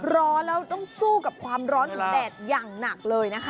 ร้อนแล้วต้องสู้กับความร้อนของแดดอย่างหนักเลยนะคะ